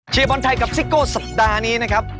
บอลไทยกับซิโก้สัปดาห์นี้นะครับ